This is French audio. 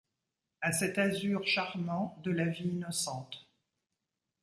A cet azur charmant de la vie innocente